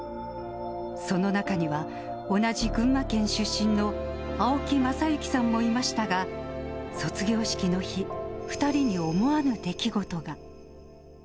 その中には、同じ群馬県出身の青木正行さんもいましたが、卒業式の日、２人に思わぬ出来事が。